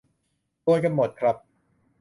โดนกันหมดครับ